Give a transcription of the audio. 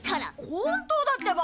本当だってば！